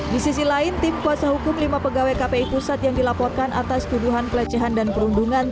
di sisi lain tim kuasa hukum lima pegawai kpi pusat yang dilaporkan atas tuduhan pelecehan dan perundungan